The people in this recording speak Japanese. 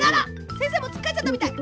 せんせいもつっかえちゃったみたい。